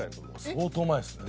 相当前ですね。